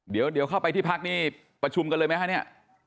เดี๋ยวเข้าไปที่พักนี่ประชุมกันเลยไหมคะเนี่ย